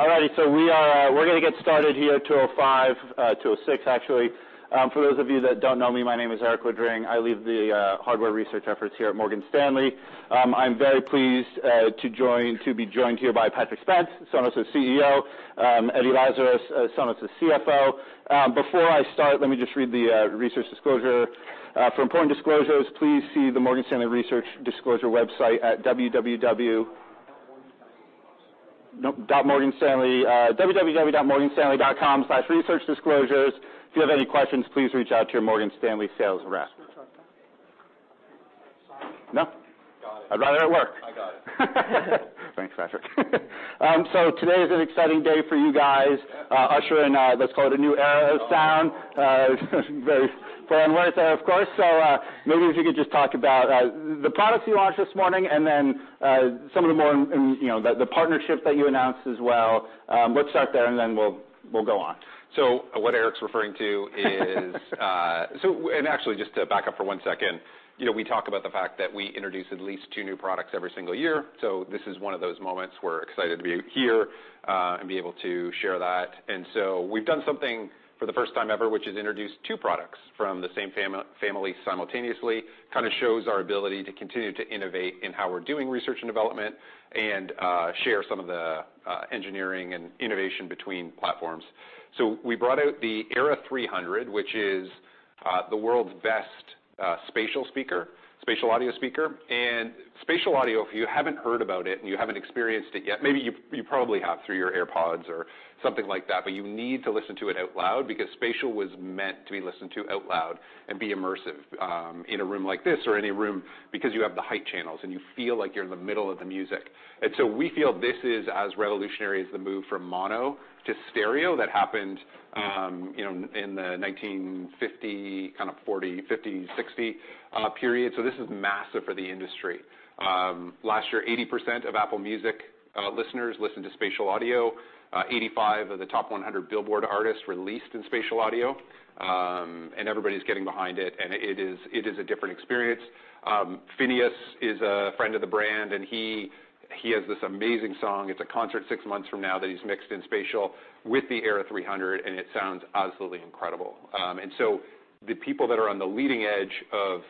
All right, we are, we're gonna get started here 2:05, 2:06, actually. For those of you that don't know me, my name is Erik Woodring. I lead the hardware research efforts here at Morgan Stanley. I'm very pleased to be joined here by Patrick Spence, Sonos' CEO, Eddie Lazarus, Sonos' CFO. Before I start, let me just read the research disclosure. For important disclosures, please see the Morgan Stanley Research Disclosure website at www. nope, www.morganstanley.com/researchdisclosures. If you have any questions, please reach out to your Morgan Stanley sales rep. Switch off then. No. Got it. I'd rather it work. I got it. Thanks, Patrick. Today is an exciting day for you guys. Usher in, let's call it a new Era of sound. Very pun-worthy, of course. Maybe if you could just talk about the products you launched this morning and some of the more you know, the partnership that you announced as well. Let's start there, and we'll go on. What Erik's referring to, actually, just to back up for 1 second, you know, we talk about the fact that we introduce at least 2 new products every single year. This is 1 of those moments we're excited to be here and be able to share that. We've done something for the 1st time ever, which is introduce 2 products from the same family simultaneously. Kinda shows our ability to continue to innovate in how we're doing research and development and share some of the engineering and innovation between platforms. We brought out the Era 300, which is the world's best spatial speaker, spatial audio speaker. Spatial audio, if you haven't heard about it, and you haven't experienced it yet, maybe you probably have through your AirPods or something like that, but you need to listen to it out loud because spatial was meant to be listened to out loud and be immersive in a room like this or any room because you have the height channels, and you feel like you're in the middle of the music. We feel this is as revolutionary as the move from mono to stereo that happened, you know, in the 1950, kind of 40, 50, 60 period. This is massive for the industry. Last year, 80% of Apple Music listeners listened to spatial audio. 85 of the top 100 Billboard artists released in spatial audio. Everybody's getting behind it is a different experience. Finneas is a friend of the brand, he has this amazing song. It's a concert six months from now that he's mixed in spatial with the Era 300, and it sounds absolutely incredible. The people that are on the leading edge of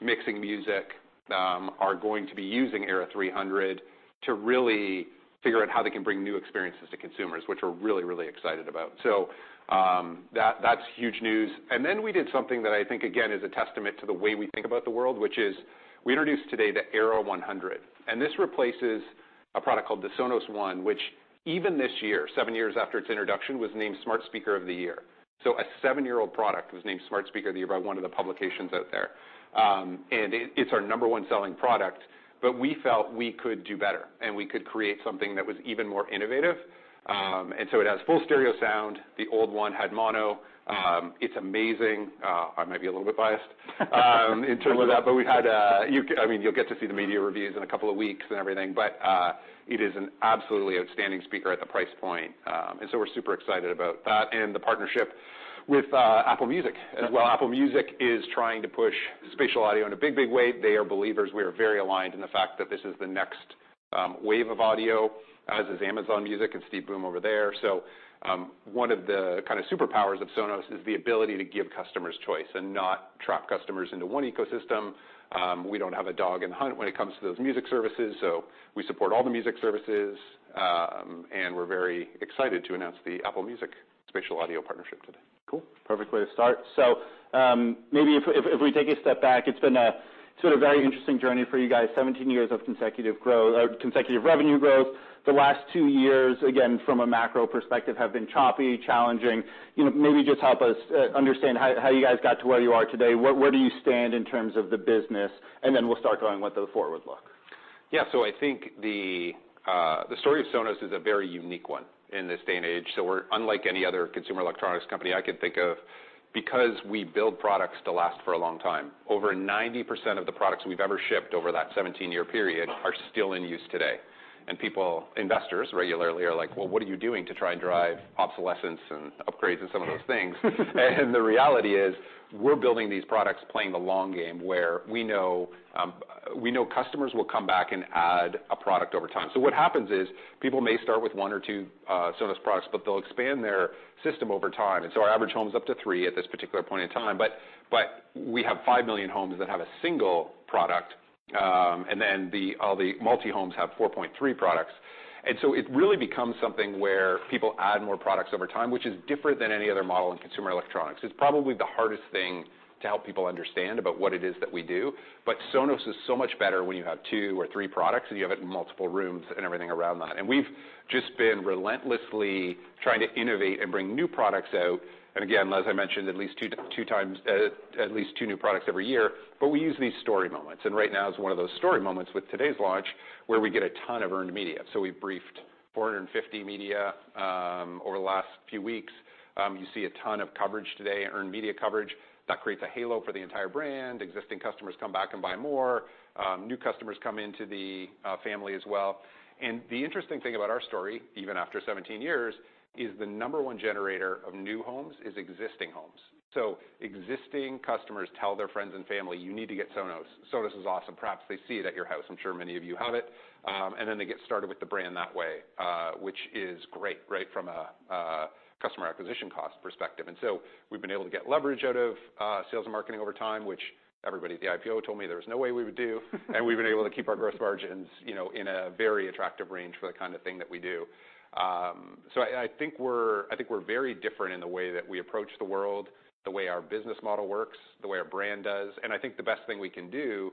mixing music are going to be using Era 300 to really figure out how they can bring new experiences to consumers, which we're really, really excited about. That's huge news. We did something that I think, again, is a testament to the way we think about the world, which is, we introduced today the Era 100. This replaces a product called the Sonos One, which even this year, seven years after its introduction, was named Smart Speaker of the Year. A seven-year-old product was named Smart Speaker of the Year by one of the publications out there. It's our number one selling product, but we felt we could do better, and we could create something that was even more innovative. It has full stereo sound. The old one had mono. It's amazing. I might be a little bit biased in terms of that, but we had, I mean, you'll get to see the media reviews in a couple of weeks and everything. It is an absolutely outstanding speaker at the price point. We're super excited about that and the partnership with Apple Music as well. Apple Music is trying to push spatial audio in a big, big way. They are believers. We are very aligned in the fact that this is the next wave of audio, as is Amazon Music and Steve Boom over there. One of the kinda superpowers of Sonos is the ability to give customers choice and not trap customers into one ecosystem. We don't have a dog in the hunt when it comes to those music services, so we support all the music services. We're very excited to announce the Apple Music spatial audio partnership today. Cool. Perfect way to start. Maybe if we take a step back, it's been a sort of very interesting journey for you guys, 17 years of consecutive revenue growth. The last two years, again, from a macro perspective, have been choppy, challenging. You know, maybe just help us understand how you guys got to where you are today. Where do you stand in terms of the business? We'll start going what the forward look. Yeah. I think the story of Sonos is a very unique one in this day and age. We're unlike any other consumer electronics company I could think of because we build products to last for a long time. Over 90% of the products we've ever shipped over that 17-year period are still in use today. People, investors regularly are like, "Well, what are you doing to try and drive obsolescence and upgrades and some of those things?" The reality is, we're building these products playing the long game, where we know customers will come back and add a product over time. What happens is, people may start with one or two Sonos products, but they'll expand their system over time, and so our average home is up to three at this particular point in time. We have 5 million homes that have a single product, and then all the multi-homes have 4.3 products. It really becomes something where people add more products over time, which is different than any other model in consumer electronics. It's probably the hardest thing to help people understand about what it is that we do, but Sonos is so much better when you have two or three products, and you have it in multiple rooms and everything around that. We've just been relentlessly trying to innovate and bring new products out, and again, as I mentioned, at least two times, at least two new products every year. We use these story moments, and right now is one of those story moments with today's launch, where we get a ton of earned media. We briefed 450 media over the last few weeks. You see a ton of coverage today, earned media coverage. That creates a halo for the entire brand. Existing customers come back and buy more. New customers come into the family as well. The interesting thing about our story, even after 17 years, is the number one generator of new homes is existing homes. Existing customers tell their friends and family, "You need to get Sonos. Sonos is awesome." Perhaps they see it at your house. I'm sure many of you have it. They get started with the brand that way, which is great, right, from a customer acquisition cost perspective. We've been able to get leverage out of sales and marketing over time, which everybody at the IPO told me there was no way we would do. We've been able to keep our growth margins, you know, in a very attractive range for the kind of thing that we do. I think we're, I think we're very different in the way that we approach the world, the way our business model works, the way our brand does. I think the best thing we can do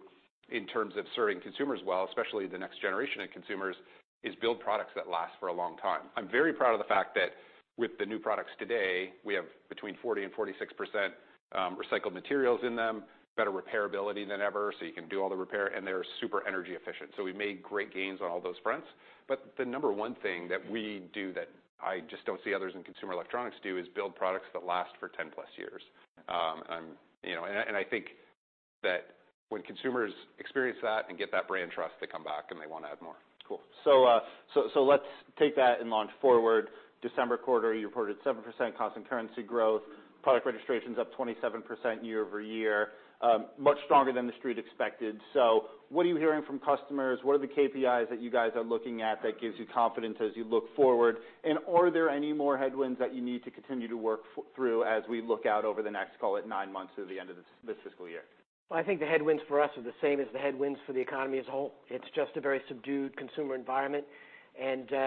in terms of serving consumers well, especially the next generation of consumers, is build products that last for a long time. I'm very proud of the fact that with the new products today, we have between 40% and 46%, recycled materials in them, better repairability than ever, so you can do all the repair, and they're super energy efficient. We've made great gains on all those fronts. The number one thing that we do that I just don't see others in consumer electronics do is build products that last for 10+ years. You know, I think that when consumers experience that and get that brand trust, they come back and they wanna have more. Cool. Let's take that and launch forward. December quarter, you reported 7% constant currency growth. Product registration's up 27% year-over-year. Much stronger than the Street expected. What are you hearing from customers? What are the KPIs that you guys are looking at that gives you confidence as you look forward? Are there any more headwinds that you need to continue to work through as we look out over the next, call it, 9 months through the end of this fiscal year? Well, I think the headwinds for us are the same as the headwinds for the economy as a whole. It's just a very subdued consumer environment.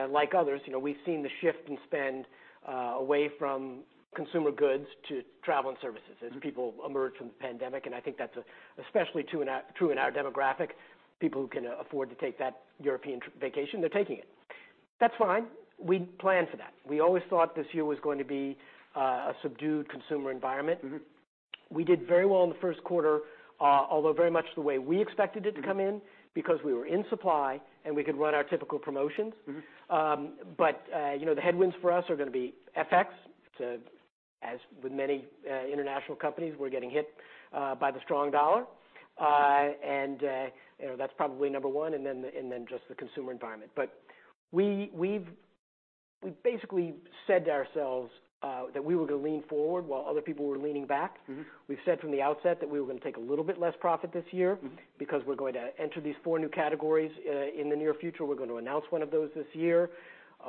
Like others, you know, we've seen the shift in spend away from consumer goods to travel and services. Mm-hmm As people emerge from the pandemic, and I think that's especially true in our demographic. People who can afford to take that European vacation, they're taking it. That's fine. We planned for that. We always thought this year was going to be a subdued consumer environment. Mm-hmm. We did very well in the first quarter, although very much the way we expected it to come in. Mm-hmm Because we were in supply, and we could run our typical promotions. Mm-hmm. You know, the headwinds for us are gonna be FX to, as with many international companies, we're getting hit by the strong dollar. You know, that's probably number one, and then, and then just the consumer environment. We've basically said to ourselves, that we were gonna lean forward while other people were leaning back. Mm-hmm. We've said from the outset that we were gonna take a little bit less profit this year. Mm-hmm Because we're going to enter these four new categories in the near future. We're going to announce one of those this year.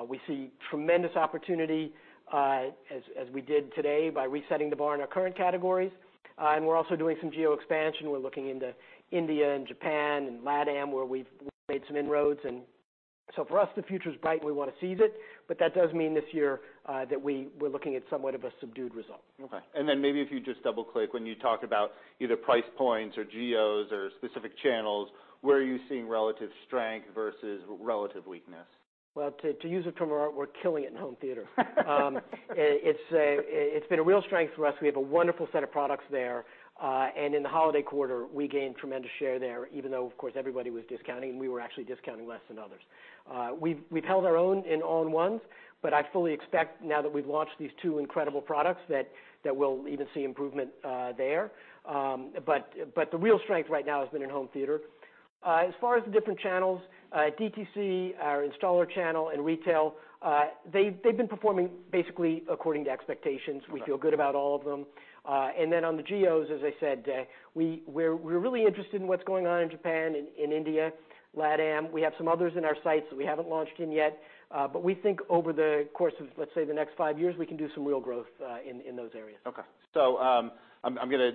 We see tremendous opportunity, as we did today by resetting the bar in our current categories. We're also doing some geo expansion. We're looking into India and Japan and LATAM, where we've made some inroads. For us, the future's bright and we want to seize it. That does mean this year, that we're looking at somewhat of a subdued result. Okay. Then maybe if you just double-click, when you talk about either price points or geos or specific channels, where are you seeing relative strength versus relative weakness? Well, to use a term of art, we're killing it in home theater. It's been a real strength for us. We have a wonderful set of products there, and in the holiday quarter, we gained tremendous share there, even though, of course, everybody was discounting, and we were actually discounting less than others. We've held our own in all-in-ones, but I fully expect now that we've launched these two incredible products, that we'll even see improvement there. The real strength right now has been in home theater. As far as the different channels, DTC, our installer channel, and retail, they've been performing basically according to expectations. Okay. We feel good about all of them. On the geos, as I said, we're really interested in what's going on in Japan, in India, LATAM. We have some others in our sights that we haven't launched in yet, but we think over the course of, let's say, the next five years, we can do some real growth in those areas. Okay. I'm gonna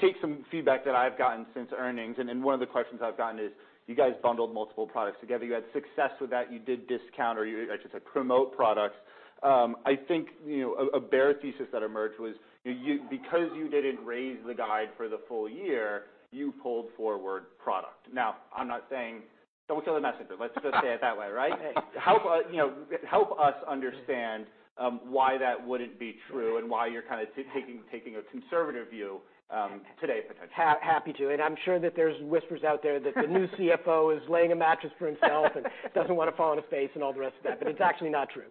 take some feedback that I've gotten since earnings, and then one of the questions I've gotten is, you guys bundled multiple products together. You had success with that. You did discount or you, like you said, promote products. I think, you know, a bear thesis that emerged was you because you didn't raise the guide for the full year, you pulled forward product. I'm not saying don't kill the messenger. Let's just say it that way, right? Hey. Help, you know, help us understand why that wouldn't be true and why you're kind of taking a conservative view today, potentially. Happy to. I'm sure that there's whispers out there that the new CFO is laying a mattress for himself and doesn't want to fall on his face and all the rest of that, but it's actually not true.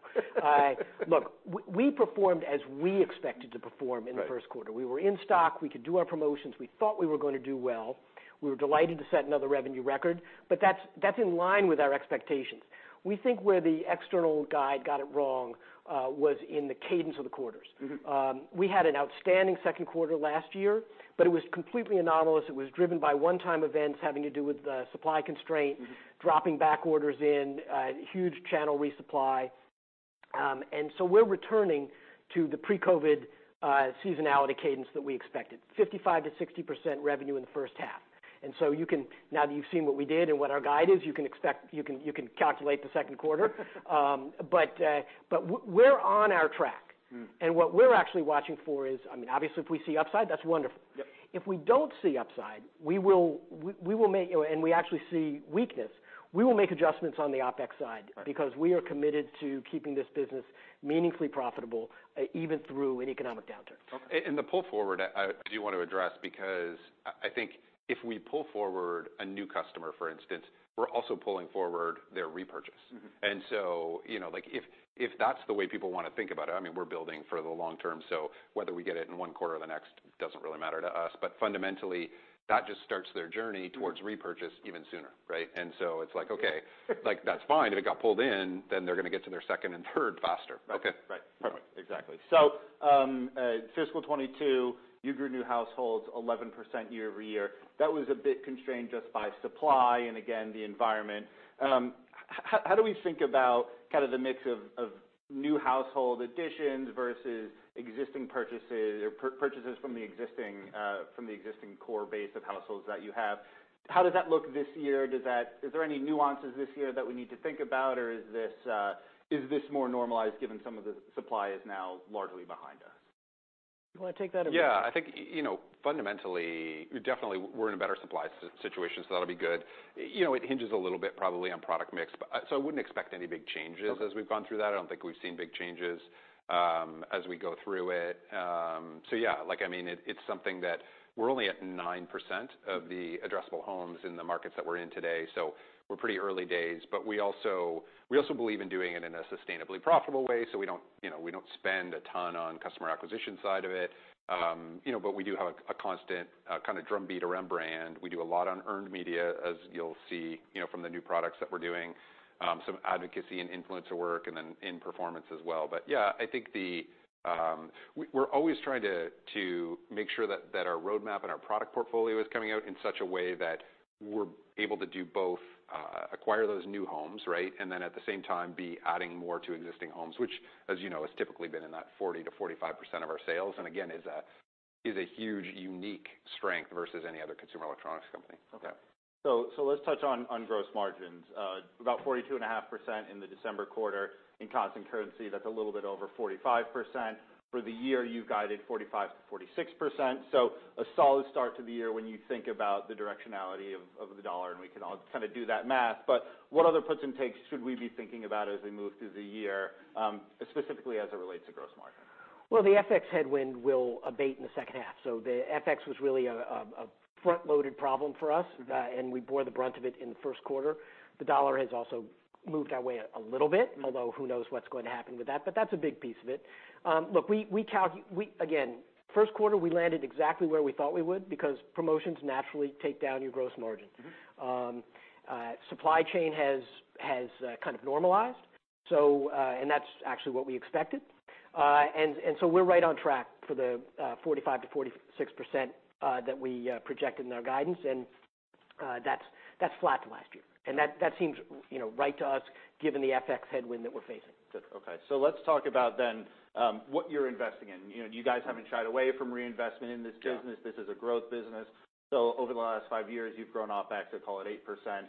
Look, we performed as we expected to perform in the first quarter. Right. We were in stock. We could do our promotions. We thought we were gonna do well. We were delighted to set another revenue record. That's in line with our expectations. We think where the external guide got it wrong was in the cadence of the quarters. Mm-hmm. We had an outstanding second quarter last year, but it was completely anomalous. It was driven by one-time events having to do with the supply constraint. Mm-hmm Dropping back orders in, huge channel resupply. We're returning to the pre-COVID seasonality cadence that we expected, 55%-60% revenue in the first half. You can, now that you've seen what we did and what our guide is, you can expect, you can calculate the second quarter. We're on our track. Mm. What we're actually watching for is, I mean, obviously, if we see upside, that's wonderful. Yep. If we don't see upside, we will make, you know, and we actually see weakness, we will make adjustments on the OpEx side. Right Because we are committed to keeping this business meaningfully profitable, even through an economic downturn. Okay. The pull forward I do want to address because I think if we pull forward a new customer, for instance, we're also pulling forward their repurchase. Mm-hmm. You know, like, if that's the way people wanna think about it, I mean, we're building for the long term, so whether we get it in one quarter or the next doesn't really matter to us. Fundamentally, that just starts their journey towards repurchase even sooner, right? It's like, okay, like, that's fine. If it got pulled in, then they're gonna get to their second and third faster. Right. Okay. Right. Perfect. Exactly. fiscal 2022, you grew new households 11% year-over-year. That was a bit constrained just by supply and again, the environment. How do we think about kind of the mix of new household additions versus existing purchases or purchases from the existing from the existing core base of households that you have? How does that look this year? Is there any nuances this year that we need to think about, or is this more normalized given some of the supply is now largely behind us? You wanna take that or me? Yeah. I think, you know, fundamentally, definitely we're in a better supply situation, that'll be good. You know, it hinges a little bit probably on product mix, but, I wouldn't expect any big changes. Okay as we've gone through that. I don't think we've seen big changes as we go through it. Yeah, like, I mean, it's something that we're only at 9% of the addressable homes in the markets that we're in today, so we're pretty early days. We also believe in doing it in a sustainably profitable way, so we don't, you know, we don't spend a ton on customer acquisition side of it. You know, we do have a constant kind of drumbeat around brand. We do a lot on earned media as you'll see, you know, from the new products that we're doing. Some advocacy and influencer work in performance as well. Yeah, I think the. We're always trying to make sure that our roadmap and our product portfolio is coming out in such a way that we're able to do both, acquire those new homes, right? At the same time, be adding more to existing homes, which, as you know, has typically been in that 40%-45% of our sales, and again, is a huge, unique strength versus any other consumer electronics company. Okay. Let's touch on gross margins. About 42.5% in the December quarter. In constant currency, that's a little bit over 45%. For the year, you guided 45%-46%. A solid start to the year when you think about the directionality of the dollar, and we can all kind of do that math. What other puts and takes should we be thinking about as we move through the year, specifically as it relates to gross margin? The FX headwind will abate in the second half. The FX was really a front-loaded problem for us. Mm-hmm. We bore the brunt of it in the first quarter. The dollar has also moved our way a little bit, although who knows what's going to happen with that, but that's a big piece of it. look, we, again, first quarter, we landed exactly where we thought we would because promotions naturally take down your gross margin. Mm-hmm. Supply chain has normalized. That's actually what we expected. We're right on track for the 45%-46% that we projected in our guidance, and that's flat to last year. That seems, you know, right to us, given the FX headwind that we're facing. Good. Okay. let's talk about then, what you know, you guys haven't shied away from reinvestment in this business. Yeah. This is a growth business. Over the last five years, you've grown OpEx to call it 8%.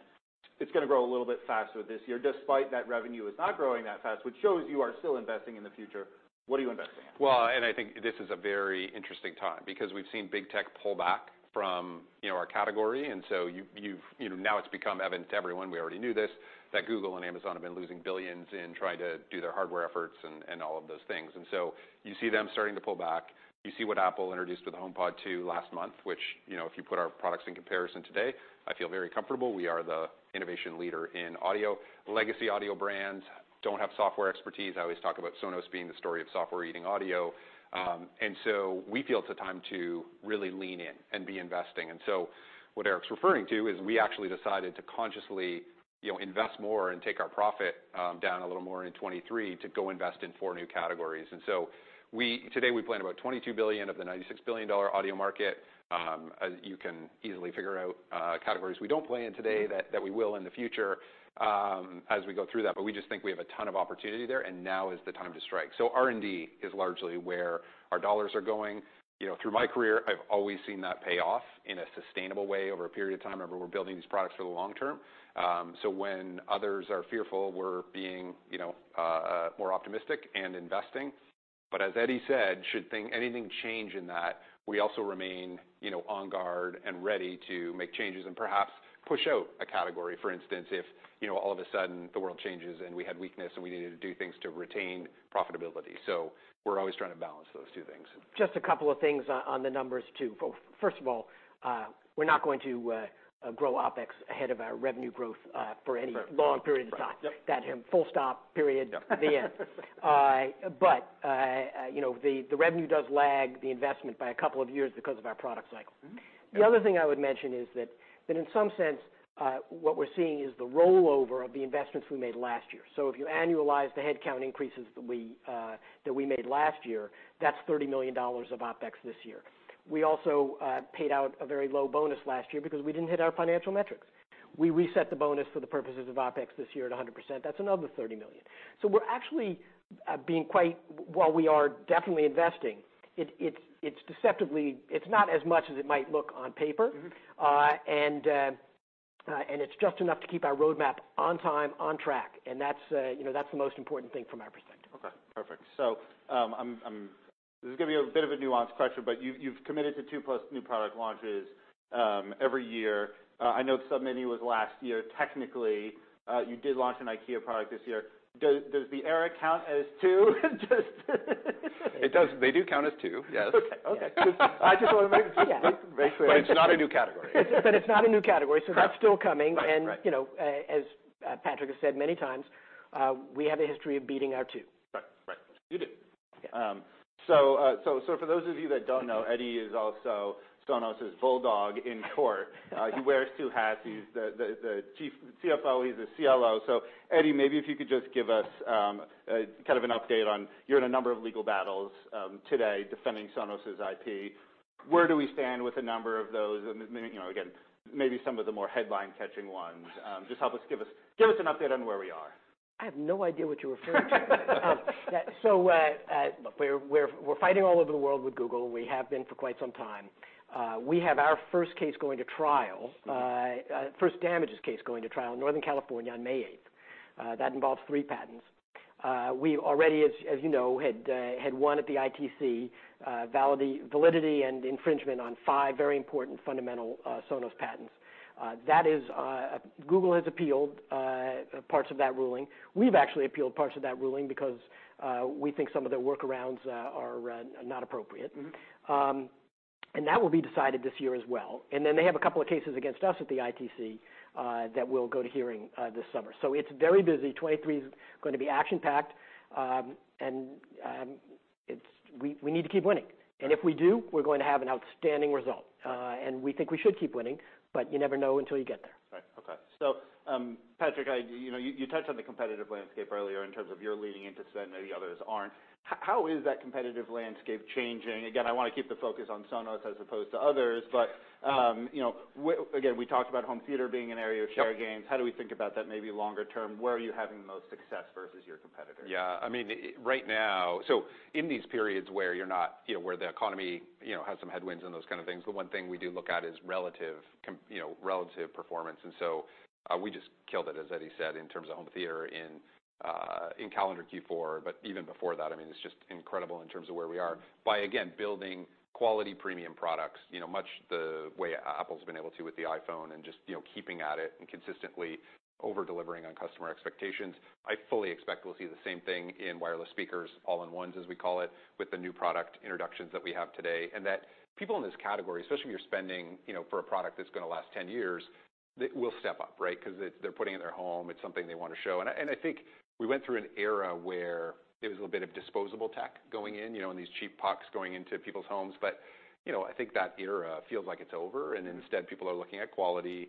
It's gonna grow a little bit faster this year, despite that revenue is not growing that fast, which shows you are still investing in the future. What are you investing in? I think this is a very interesting time because we've seen big tech pull back from, you know, our category, you've, you know, now it's become evident to everyone, we already knew this, that Google and Amazon have been losing billions in trying to do their hardware efforts and all of those things. You see them starting to pull back. You see what Apple introduced with the HomePod 2 last month, which, you know, if you put our products in comparison today, I feel very comfortable we are the innovation leader in audio. Legacy audio brands don't have software expertise. I always talk about Sonos being the story of software eating audio. We feel it's a time to really lean in and be investing. What Erik's referring to is we actually decided to consciously, you know, invest more and take our profit, down a little more in 2023 to go invest in four new categories. We, today, we plan about $22 billion of the $96 billion audio market. You can easily figure out categories we don't play in today. Mm-hmm That we will in the future, as we go through that. We just think we have a ton of opportunity there, and now is the time to strike. R&D is largely where our dollars are going. You know, through my career, I've always seen that pay off in a sustainable way over a period of time. Remember, we're building these products for the long term. When others are fearful, we're being, you know, more optimistic and investing. As Eddie said, should anything change in that, we also remain, you know, on guard and ready to make changes and perhaps push out a category, for instance, if, you know, all of a sudden the world changes and we had weakness and we needed to do things to retain profitability. We're always trying to balance those two things. Just a couple of things on the numbers, too. First of all, we're not going to grow OpEx ahead of our revenue growth for any long period of time. Right. Yep. That, full stop, period, the end. Yeah. You know, the revenue does lag the investment by a couple of years because of our product cycle. Mm-hmm. Yep. The other thing I would mention is that in some sense, what we're seeing is the rollover of the investments we made last year. If you annualize the headcount increases that we made last year, that's $30 million of OpEx this year. We also paid out a very low bonus last year because we didn't hit our financial metrics. We reset the bonus for the purposes of OpEx this year at 100%. That's another $30 million. We're actually. While we are definitely investing, it's deceptively, it's not as much as it might look on paper. Mm-hmm. It's just enough to keep our roadmap on time, on track, and that's, you know, that's the most important thing from our perspective. Okay, perfect. This is gonna be a bit of a nuanced question, but you've committed to 2+ new product launches every year. I know Sub Mini was last year. Technically, you did launch an IKEA product this year. Does the Era count as two? Just. It does. They do count as two, yes. Okay. Okay. Yeah. 'Cause I just wanna make clear. It's not a new category. It's not a new category. Correct. That's still coming. Right. Right. You know, as Patrick has said many times, we have a history of beating our two. Right. You do. Yeah. For those of you that don't know, Eddie is also Sonos' bulldog in court. He wears two hats. He's the chief, CFO, he's the CLO. Eddie, maybe if you could just give us kind of an update on, you're in a number of legal battles today defending Sonos' IP. Where do we stand with a number of those? You know, again, maybe some of the more headline-catching ones. Just give us an update on where we are. I have no idea what you're referring to. Look, we're fighting all over the world with Google. We have been for quite some time. We have our first case going to trial, first damages case going to trial in Northern California on May eighth. That involves three patents. We already, as you know, had one at the ITC, validity and infringement on five very important fundamental Sonos patents. That is, Google has appealed parts of that ruling. We've actually appealed parts of that ruling because we think some of the workarounds are not appropriate. Mm-hmm. That will be decided this year as well. They have a couple of cases against us at the ITC that will go to hearing this summer. It's very busy. 2023 is gonna be action-packed, and we need to keep winning. Right. If we do, we're going to have an outstanding result. We think we should keep winning, but you never know until you get there. Right. Okay. Patrick, you know, you touched on the competitive landscape earlier in terms of you're leaning into certain, maybe others aren't. How is that competitive landscape changing? Again, I wanna keep the focus on Sonos as opposed to others. You know, again, we talked about home theater being an area of share gains. Sure. How do we think about that maybe longer term? Where are you having the most success versus your competitors? Yeah. I mean, right now, in these periods where you're not, you know, where the economy, you know, has some headwinds and those kind of things, the one thing we do look at is relative, you know, relative performance. We just killed it, as Eddie said, in terms of home theater in calendar Q4. Even before that, I mean, it's just incredible in terms of where we are by, again, building quality premium products, you know, much the way Apple's been able to with the iPhone and just, you know, keeping at it and consistently over-delivering on customer expectations. I fully expect we'll see the same thing in wireless speakers, all-in-ones, as we call it, with the new product introductions that we have today. That people in this category, especially when you're spending, you know, for a product that's gonna last 10 years, they will step up, right? 'Cause they're putting in their home. It's something they wanna show. I, and I think we went through an era where it was a little bit of disposable tech going in, you know, and these cheap pucks going into people's homes. You know, I think that era feels like it's over, and instead people are looking at quality,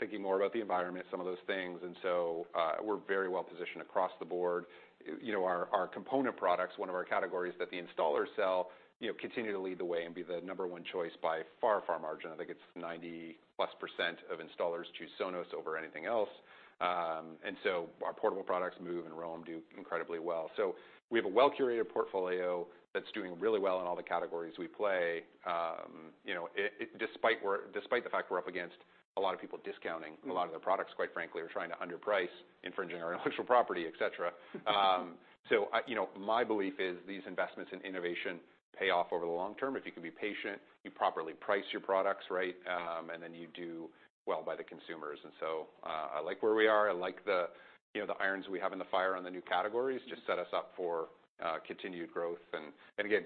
thinking more about the environment, some of those things. We're very well positioned across the board. You know, our component products, one of our categories that the installers sell, you know, continue to lead the way and be the number one choice by far, far margin. I think it's 90+% of installers choose Sonos over anything else. Our portable products, Move and Roam, do incredibly well. We have a well-curated portfolio that's doing really well in all the categories we play, you know, despite the fact we're up against a lot of people discounting a lot of their products, quite frankly. We're trying to underprice, infringing our intellectual property, et cetera. You know, my belief is these investments in innovation pay off over the long term if you can be patient, you properly price your products right, and then you do well by the consumers. I like where we are. I like the, you know, the irons we have in the fire on the new categories to set us up for, continued growth and again,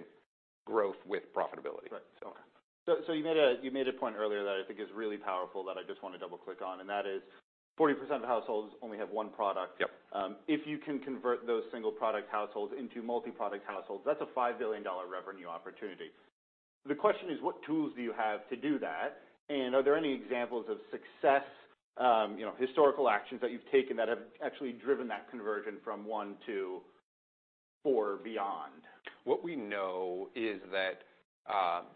growth with profitability. Right. So. You made a point earlier that I think is really powerful that I just wanna double-click on, and that is 40% of households only have one product. Yep. If you can convert those single product households into multiproduct households, that's a $5 billion revenue opportunity. The question is, what tools do you have to do that? Are there any examples of success, you know, historical actions that you've taken that have actually driven that conversion from one to four beyond? What we know is that,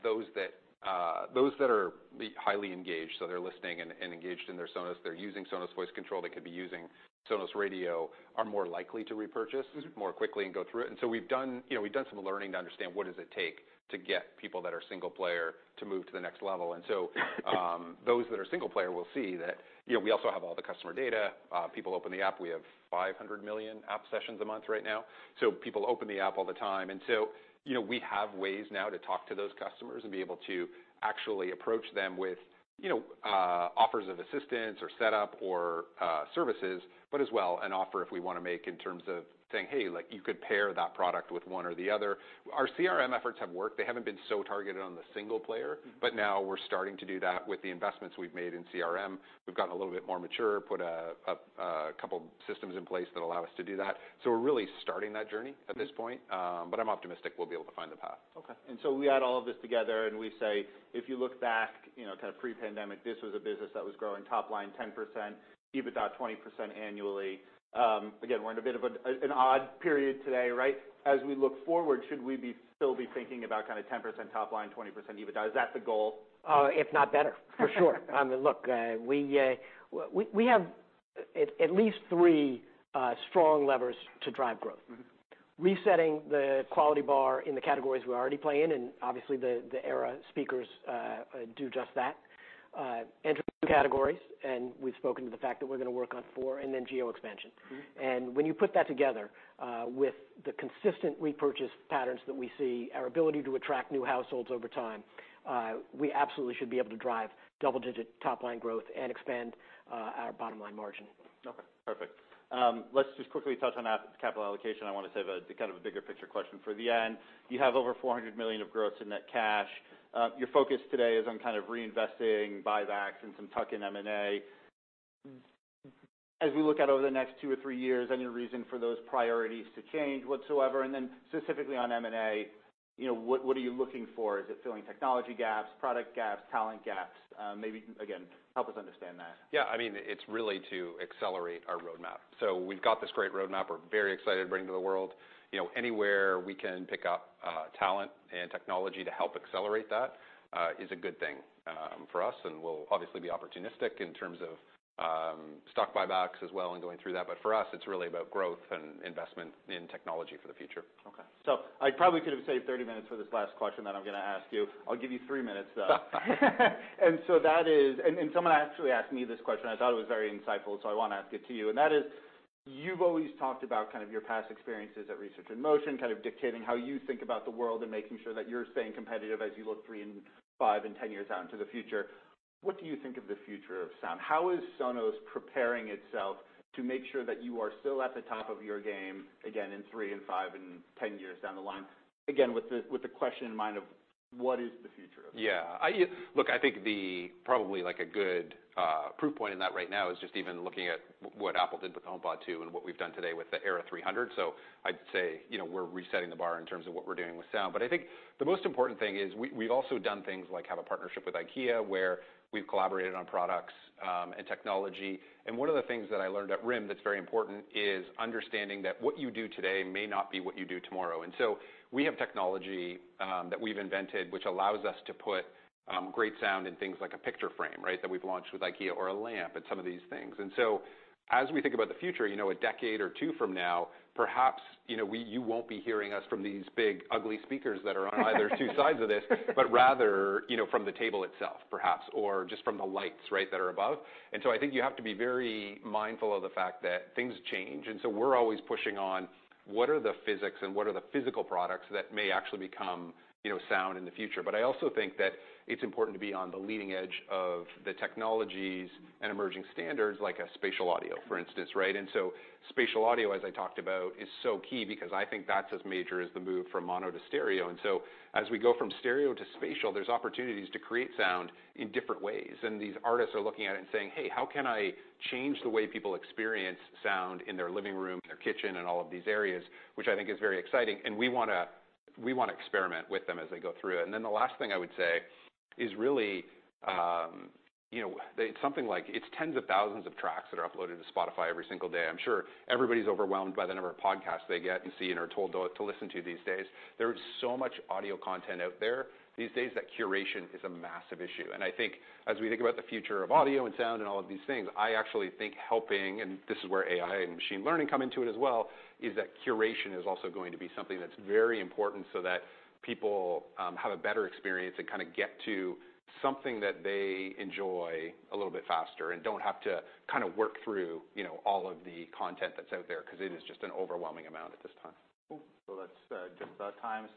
those that are highly engaged, so they're listening and engaged in their Sonos, they're using Sonos Voice Control, they could be using Sonos Radio, are more likely to repurchase. Mm-hmm... more quickly and go through it. So we've done, you know, we've done some learning to understand what does it take to get people that are single player to move to the next level. So, those that are single player will see that, you know, we also have all the customer data. People open the app. We have 500 million app sessions a month right now. People open the app all the time. So, you know, we have ways now to talk to those customers and be able to actually approach them with, you know, offers of assistance or setup or services, but as well an offer if we wanna make in terms of saying, "Hey, like, you could pair that product with one or the other." Our CRM efforts have worked. They haven't been so targeted on the single player. Mm-hmm. Now we're starting to do that with the investments we've made in CRM. We've gotten a little bit more mature, put a couple systems in place that allow us to do that. We're really starting that journey at this point. I'm optimistic we'll be able to find the path. Okay. We add all of this together, and we say, if you look back, you know, kind of pre-pandemic, this was a business that was growing top line 10%, EBITDA 20% annually. Again, we're in a bit of an odd period today, right? As we look forward, should we still be thinking about kind of 10% top line, 20% EBITDA? Is that the goal? If not better, for sure. I mean, look, we have at least three strong levers to drive growth. Mm-hmm. Resetting the quality bar in the categories we already play in, and obviously, the Era speakers do just that. Enter new categories, we've spoken to the fact that we're gonna work on four, then geo expansion. Mm-hmm. When you put that together, with the consistent repurchase patterns that we see, our ability to attract new households over time, we absolutely should be able to drive double-digit top line growth and expand, our bottom line margin. Okay. Perfect. let's just quickly touch on app capital allocation. I wanna save a, kind of a bigger picture question for the end. You have over $400 million of gross in net cash. your focus today is on kind of reinvesting, buybacks and some tuck-in M&A. Mm-hmm. As we look out over the next two or three years, any reason for those priorities to change whatsoever? Specifically on M&A, you know, what are you looking for? Is it filling technology gaps, product gaps, talent gaps? Maybe, again, help us understand that. Yeah, I mean, it's really to accelerate our roadmap. We've got this great roadmap we're very excited to bring to the world. You know, anywhere we can pick up talent and technology to help accelerate that is a good thing for us, and we'll obviously be opportunistic in terms of stock buybacks as well and going through that. For us, it's really about growth and investment in technology for the future. Okay. I probably could have saved 30 minutes for this last question that I'm gonna ask you. I'll give you three minutes, though. That is, and someone actually asked me this question, I thought it was very insightful, so I wanna ask it to you. That is, you've always talked about kind of your past experiences at Research in Motion kind of dictating how you think about the world and making sure that you're staying competitive as you look three and five and 10 years out into the future. What do you think of the future of sound? How is Sonos preparing itself to make sure that you are still at the top of your game, again, in three and five and 10 years down the line? Again, with the, with the question in mind of what is the future of sound? Yeah. I, look, I think the, probably like a good proof point in that right now is just even looking at what Apple did with the HomePod 2 and what we've done today with the Era 300. I'd say, you know, we're resetting the bar in terms of what we're doing with sound. I think the most important thing is we've also done things like have a partnership with IKEA where we've collaborated on products and technology. One of the things that I learned at RIM that's very important is understanding that what you do today may not be what you do tomorrow. We have technology that we've invented, which allows us to put great sound in things like a picture frame, right, that we've launched with IKEA, or a lamp and some of these things. As we think about the future, you know, a decade or two from now, perhaps, you won't be hearing us from these big, ugly speakers that are on either two sides of this. But rather, you know, from the table itself, perhaps, or just from the lights, right, that are above. I think you have to be very mindful of the fact that things change, and so we're always pushing on what are the physics and what are the physical products that may actually become, you know, sound in the future. I also think that it's important to be on the leading edge of the technologies and emerging standards, like a spatial audio, for instance, right? Spatial audio, as I talked about, is so key because I think that's as major as the move from mono to stereo. As we go from stereo to spatial, there's opportunities to create sound in different ways. These artists are looking at it and saying, "Hey, how can I change the way people experience sound in their living room, in their kitchen, and all of these areas?" Which I think is very exciting, and we wanna experiment with them as they go through it. The last thing I would say is really, you know, something like, it's tens of thousands of tracks that are uploaded to Spotify every single day. I'm sure everybody's overwhelmed by the number of podcasts they get and see and are told to listen to these days. There's so much audio content out there these days that curation is a massive issue. I think as we think about the future of audio and sound and all of these things, I actually think helping, and this is where AI and machine learning come into it as well, is that curation is also going to be something that's very important so that people, have a better experience and kinda get to something that they enjoy a little bit faster and don't have to kinda work through, you know, all of the content that's out there, 'cause it is just an overwhelming amount at this time. Cool. That's just about time.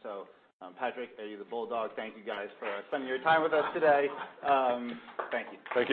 Patrick, you, the bulldog, thank you guys for spending your time with us today. Thank you. Thank you.